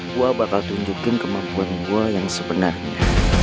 gue bakal tunjukin kemampuan gue yang sebenarnya